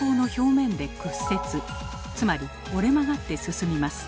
つまり折れ曲がって進みます。